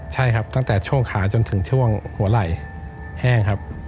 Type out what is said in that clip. ใช่ครับตั้งแต่ช่วงขาจนถึงช่วงหัวไหล่แห้งครับ